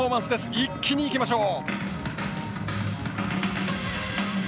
一気にいきましょう！